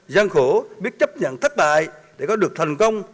gian khổ biết chấp nhận thất bại để có được thành công